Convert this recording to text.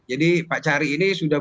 jadi pak cahri ini sudah